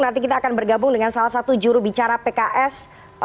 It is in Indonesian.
nanti kita akan bergabung dengan salah satu jurubicara pks